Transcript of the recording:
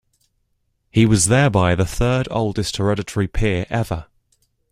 He was thereby the third-oldest hereditary peer ever.